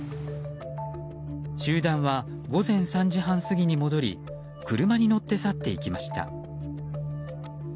集団は午前３時半過ぎに戻り車に乗って去っていきました。